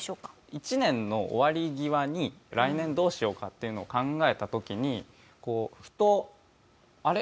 １年の終わり際に来年どうしようかっていうのを考えた時にこうふと「あれ？